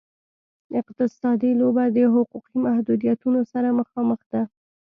اقتصادي لوبه د حقوقي محدودیتونو سره مخامخ ده.